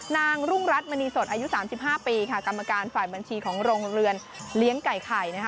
รุ่งรัฐมณีสดอายุ๓๕ปีค่ะกรรมการฝ่ายบัญชีของโรงเรือนเลี้ยงไก่ไข่นะคะ